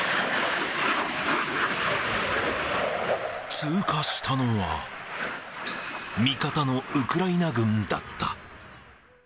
通過したのは、味方のウクライナ軍だった。